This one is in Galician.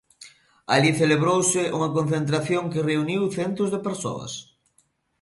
Alí celebrouse unha concentración que reuniu centos de persoas.